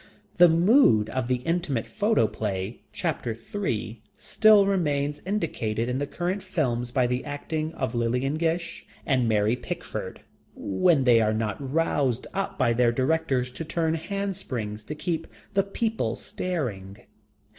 The Mood of the intimate photoplay, chapter three, still remains indicated in the current films by the acting of Lillian Gish and Mary Pickford, when they are not roused up by their directors to turn handsprings to keep the people staring.